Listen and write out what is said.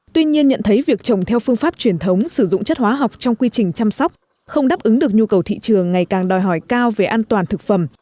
tuy nhiên nhận thấy việc trồng theo phương pháp truyền thống sử dụng chất hóa học trong quy trình chăm sóc không đáp ứng được nhu cầu thị trường ngày càng đòi hỏi cao về an toàn thực phẩm